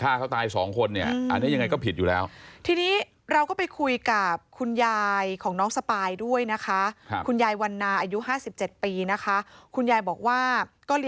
อันนี้ยังไง